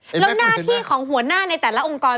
แล้วหน้าที่ของหัวหน้าในแต่ละองค์กร